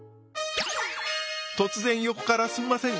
突然横からすんません